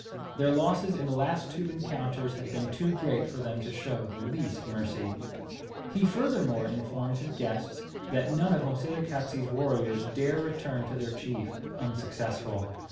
Their losses in the last two encounters had been too great for them to show the least mercy. He furthermore informed his guests that none of Moselekatse's warriors dare return to their chief unsuccessful.